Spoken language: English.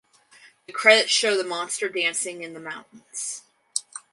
The credits show the monster dancing in the mountains.